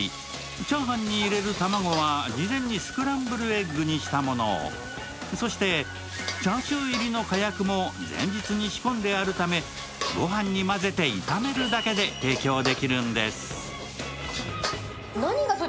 炒飯に入れる卵は事前にスクランブルエッグにしたものそしてチャーシュー入りのかやくも前日に仕込んであるためご飯に混ぜて炒めるだけで提供できるんです。